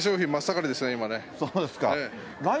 そうですか。